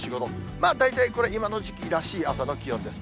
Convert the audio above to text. まあ大体これ、今の時期らしい朝の気温です。